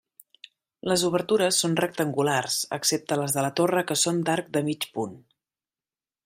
Les obertures són rectangulars excepte les de la torre que són d'arc de mig punt.